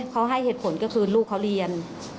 เขาให้เหตุผลก็คือลูกเขาเรียน